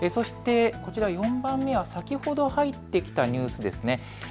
そしてこちら、４番目が先ほど入ってきたニュースです。